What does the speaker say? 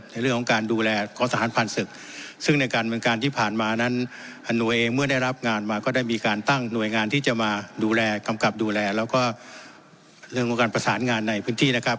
ในเรื่องของการดูแลของสหรัฐภัณฑ์ศึก